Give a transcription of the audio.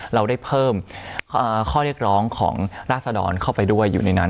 เราได้เพิ่มข้อเรียกร้องของราศดรเข้าไปด้วยอยู่ในนั้น